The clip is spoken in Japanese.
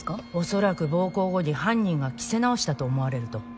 恐らく暴行後に犯人が着せ直したと思われると。